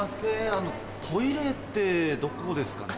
あのトイレってどこですかね？